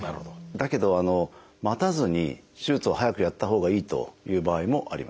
だけど待たずに手術を早くやったほうがいいという場合もあります。